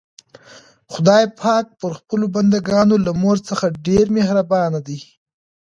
خدای پاک پر خپلو بندګانو له مور څخه ډېر مهربان دی.